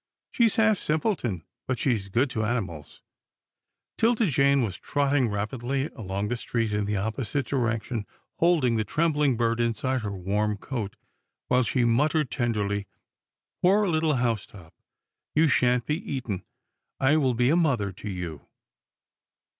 She's half simpleton, but she's good to animals." 'Tilda Jane was trotting rapidly along the street in the opposite direction, holding the trembling bird inside her warm coat, while she murmured tenderly, " Poor little Housetop — you shan't be eaten. I will be a mother to you."